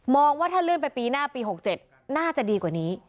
ว่าถ้าเลื่อนไปปีหน้าปี๖๗น่าจะดีกว่านี้